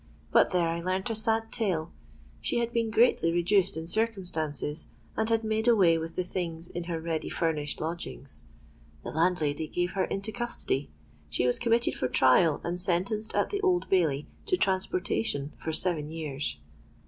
But there I learnt a sad tale. She had been greatly reduced in circumstances, and had made away with the things in her ready furnished lodgings. The landlady gave her into custody; she was committed for trial, and sentenced at the Old Bailey to transportation for seven years.